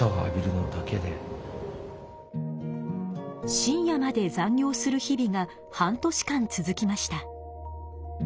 深夜まで残業する日々が半年間続きました。